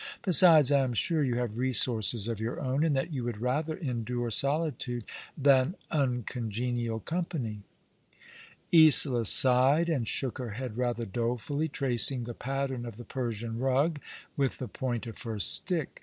Besides, I am sure you have resources of your own, and that you would rather endure solitude than uncongenial company." Isola sighed, and shook her head rather dolefully, tracing the pattern of the Persian rug with the point of her stick.